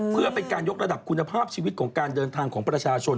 เพื่อเป็นการยกระดับคุณภาพชีวิตของการเดินทางของประชาชน